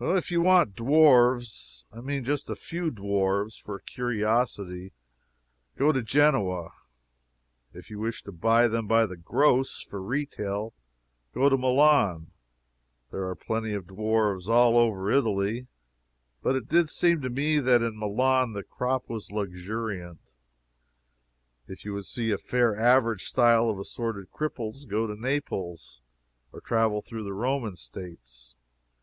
If you want dwarfs I mean just a few dwarfs for a curiosity go to Genoa. If you wish to buy them by the gross, for retail, go to Milan. There are plenty of dwarfs all over Italy, but it did seem to me that in Milan the crop was luxuriant. If you would see a fair average style of assorted cripples, go to Naples, or travel through the Roman States.